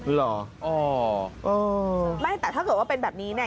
เหรออ๋อเออไม่แต่ถ้าเกิดว่าเป็นแบบนี้เนี่ย